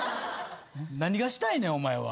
何がしたいねんお前は。